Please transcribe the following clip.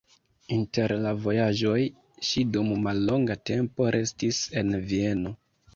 Inter la vojaĝoj ŝi dum mallonga tempo restis en Vieno.